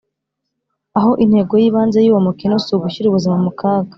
Aho intego y ibanze y uwo mukino si ugushyira ubuzima mu kaga